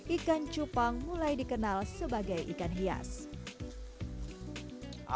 ikan cupang mulai dikenal sebagai ikan hias